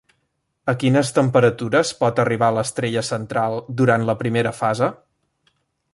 A quines temperatures pot arribar l'estrella central durant la primera fase?